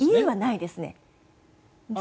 ＥＵはないですね。